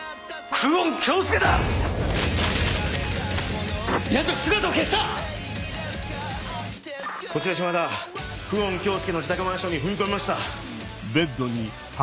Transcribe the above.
久遠京介の自宅マンションに踏み込みました。